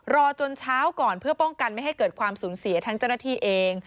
รอจนเช้าก่อนเพื่อป้องกันไม่ให้เกิดความสูญเสียทั้งเจ้าหน้าที่เอง